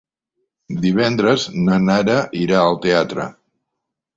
Divendres na Nara irà al teatre.